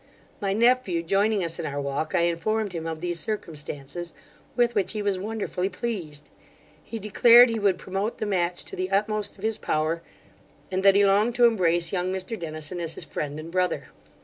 My nephew joining us in our walk, I informed him of these circumstances, with which he was wonderfully pleased. He declared he would promote the match to the utmost of his power, and that he longed to embrace young Mr Dennison as his friend and brother.